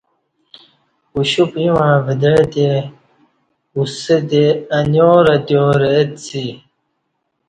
اُوشُپ ییں وعݩتے اُوستی انیارہ اتکیارہ اہڅی